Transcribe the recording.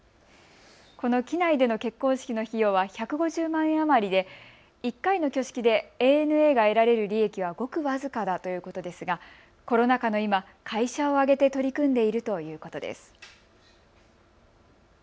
この機内での結婚式の費用は１５０万円余りで、１回の挙式でＡＮＡが得られる利益はごく僅かだということですがコロナ禍の今、会社を挙げて取り組んでいるということです。